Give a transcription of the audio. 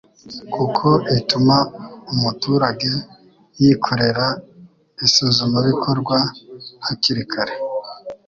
kuko ituma umuturage yikorera isuzumabikorwa hakiri kare,